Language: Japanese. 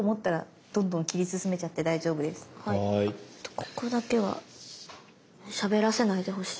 ここだけはしゃべらせないでほしい。